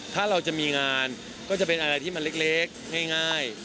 ถ้าเราจะมีงานก็จะเป็นอะไรที่มันเล็กง่าย